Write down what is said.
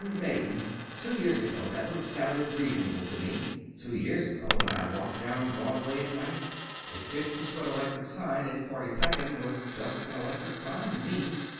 "Maybe. Two years ago that would have sounded reasonable to me. Two years ago, when I walked down Broadway at night, a fifty foot electric sign at Forty second was just an electric sign to me.